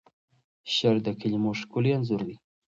شعر د کلیمو ښکلی انځور دی.